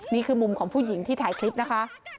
มีผู้หญิงที่ถ่ายคลิปนะคะ